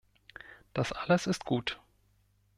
Das alles ist gut.